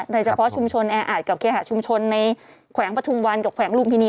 โดยเฉพาะชุมชนแออาจกับเคหาชุมชนในแขวงปฐุมวันกับแขวงลุมพินี